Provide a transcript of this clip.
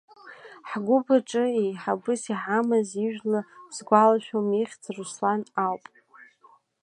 Ҳгәыԥ аҿы еиҳабыс иҳамаз ижәла сгәалашәом ихьӡ Руслан ауп.